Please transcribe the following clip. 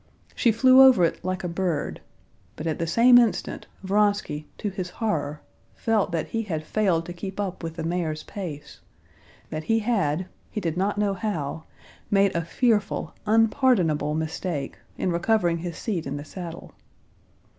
She flew over it like a bird; but at the same instant Vronsky, to his horror, felt that he had failed to keep up with the mare's pace, that he had, he did not know how, made a fearful, unpardonable mistake, in recovering his seat in the saddle.